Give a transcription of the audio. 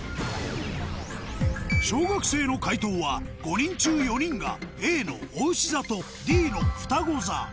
小学生の解答は５人中４人がＡのおうし座とＤのふたご座